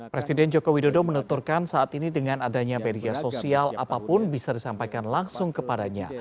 presiden joko widodo menuturkan saat ini dengan adanya media sosial apapun bisa disampaikan langsung kepadanya